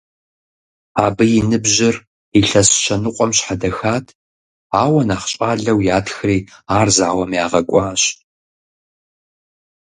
Абы и ныбжьыр илъэс щэ ныкъуэм щхьэдэхат, ауэ нэхъ щӏалэу ятхри, ар зауэм ягъэкӏуащ.